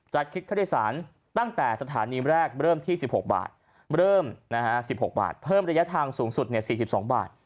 คิดค่าโดยสารตั้งแต่สถานีแรกเริ่มที่๑๖บาทเริ่ม๑๖บาทเพิ่มระยะทางสูงสุด๔๒บาท